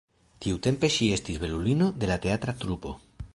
Tiutempe ŝi estis belulino de la teatra trupo.